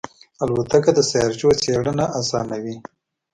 الوتکه د سیارچو څېړنه آسانوي.